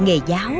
nghe giáo lộn